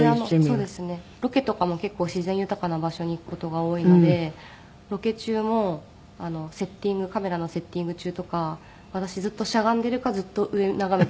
ロケとかも結構自然豊かな場所に行く事が多いのでロケ中もカメラのセッティング中とか私ずっとしゃがんでいるかずっと上眺めているんですよ。